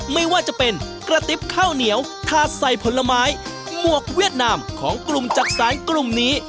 ไม่ว่าจะเป็นกระติบข้าวเหนียวถาดใส่ผลไม้หมวกเวียดนามของกลุ่มจักษานกลุ่มนี้